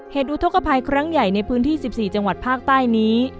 อุทธกภัยครั้งใหญ่ในพื้นที่๑๔จังหวัดภาคใต้นี้